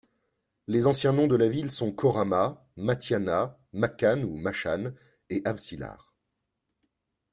Les anciens noms de la ville sont Korama, Matiana, Maccan ou Machan et Avcilar.